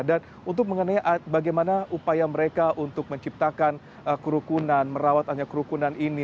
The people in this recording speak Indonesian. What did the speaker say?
dan untuk mengenai bagaimana upaya mereka untuk menciptakan kerukunan merawatannya kerukunan ini